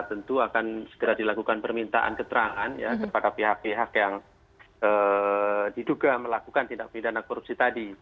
tentu akan segera dilakukan permintaan keterangan kepada pihak pihak yang diduga melakukan tindak pidana korupsi tadi